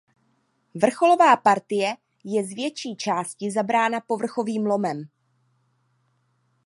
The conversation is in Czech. Vrcholová partie je z větší části zabrána povrchovým lomem.